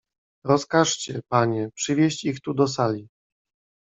"Rozkażcie, panie, przywieść ich tu do sali."